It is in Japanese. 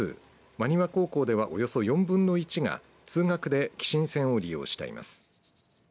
真庭高校ではおよそ４分の１が通学で姫新線を利用しています。